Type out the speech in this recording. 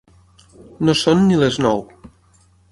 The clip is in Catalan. No són ni les nou.